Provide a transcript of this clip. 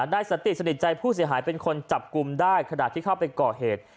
นายสันติสนิทใจผู้เสียหายเป็นคนจับกลุ่มได้ขณะที่เข้าไปก่อเหตุ